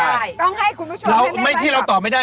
ต้องให้คุณผู้ชมที่เราตอบไม่ได้